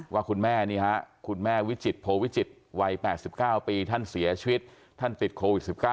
ว่าคุณแม่นี่ฮะคุณแม่วิจิตโพวิจิตรวัย๘๙ปีท่านเสียชีวิตท่านติดโควิด๑๙